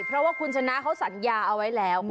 เพราะว่าคุณชนะเขาสัญญาเอาไว้แล้ว